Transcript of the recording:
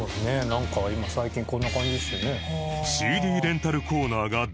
なんか今最近こんな感じですよね。